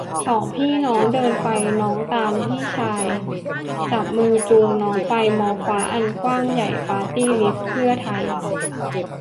สองพี่น้อง เดินไป น้องตามพี่ชาย จับมือจูงน้องไป มองฟ้าอันกว้างใหญ่ ปาร์ตี้ลิสต์เพื่อไทย